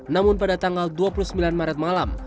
namun pada tanggal dua puluh sembilan maret malam